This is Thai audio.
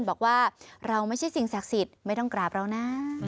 บอกว่าเราไม่ใช่สิ่งศักดิ์สิทธิ์ไม่ต้องกราบเรานะ